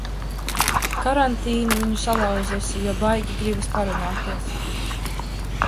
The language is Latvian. Karantīna viņu salauzusi, jo baigi gribas parunāties.